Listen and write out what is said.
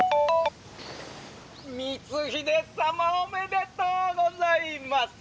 「光秀様おめでとうございます。